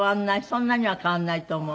そんなには変わらないと思う。